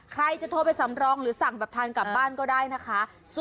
ใครจะโทรไปสำรองหรือสั่งแบบทานกลับบ้านก็ได้นะคะ